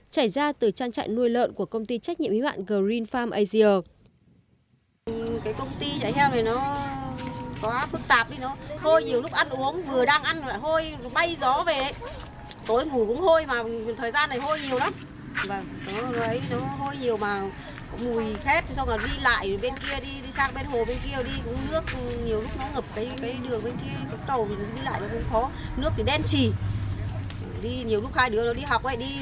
trải ra từ trang trại nuôi lợn của công ty trách nhiệm hữu hạn green farm asia